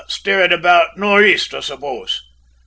"Steering about nor' east, I suppose?"